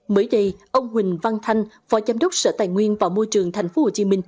mới đây ông huỳnh văn thanh phó giám đốc sở tài nguyên và môi trường tp hcm